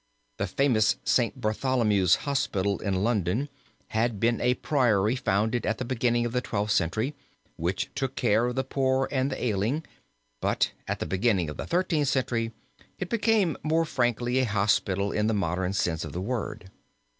The famous St. Bartholomew's Hospital in London had been a Priory founded at the beginning of the Twelfth Century, which took care of the poor and the ailing, but at the beginning of the Thirteenth Century it became more frankly a hospital in the modern sense of the word.